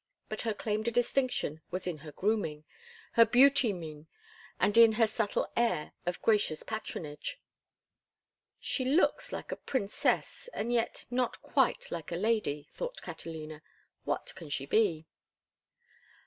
But her claim to distinction was in her grooming, her beauty mien, and in her subtle air of gracious patronage. "She looks like a princess and yet not quite like a lady," thought Catalina. "What can she be?"